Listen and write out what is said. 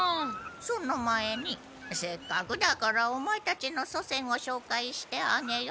その前にせっかくだからオマエたちの祖先をしょうかいしてあげよう。